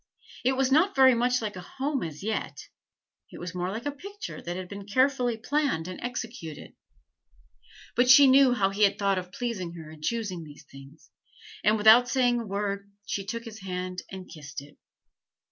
It was not very much like a home as yet; it was more like a picture that had been carefully planned and executed; but she knew how he had thought of pleasing her in choosing these things, and without saying a word she took his hand and kissed it.